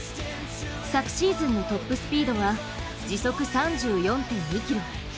昨シーズンのトップスピードは時速３４．２キロ。